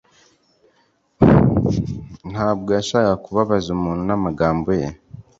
Ntabwo yashakaga kubabaza umuntu n'amagambo ye.